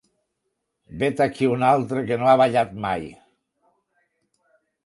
Vet aquí un altre que no ha ballat mai.